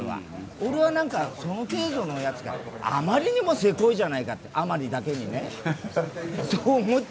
俺はその程度のやつか、あまりにもせこいじゃないか甘利だけにねって。